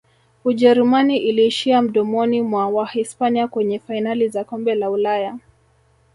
ujerumani iliishia mdomoni mwa wahispania kwenye fainali za kombe la ulaya